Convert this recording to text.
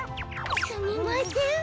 すみません。